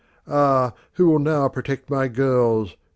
"Ah! Who will now protect my girls?"